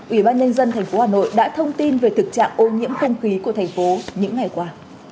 ủy ban nhân dân tp hà nội đã thông tin về thực trạng ô nhiễm không khí của thành phố những ngày qua